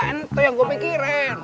punya ente yang gue mikirin